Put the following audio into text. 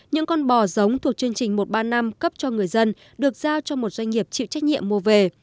những con bò giống thuộc chương trình một trăm ba mươi năm cấp cho người dân được giao cho một doanh nghiệp chịu trách nhiệm mua về